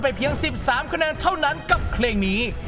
เพียง๑๓คะแนนเท่านั้นกับเพลงนี้